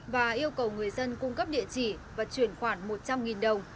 và yêu cầu người dân cung cấp địa chỉ và chuyển khoản một trăm linh đồng